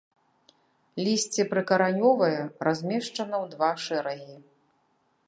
Лісце прыкаранёвае, размешчана ў два шэрагі.